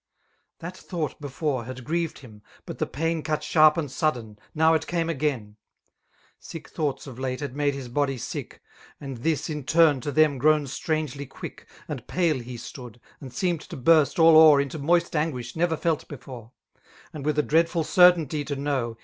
That thought befote had grieved him^ but the paiix Cut sharp an4 sudden, now it came again* ■i T 8S Skk tbougbts of late had made his body sick> And ^bU, in i^tn, to them grown strangely quick; And pale be stood, and seemed to burst all o'er IntQ moist anguish never felt beforei ' A(id with a dreadful certainty to know.